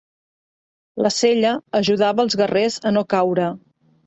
La sella ajudava els guerrers a no caure.